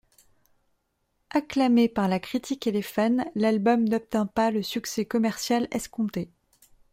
Acclamé par la critique et les fans, l'album n’obtint pas le succès commercial escompté.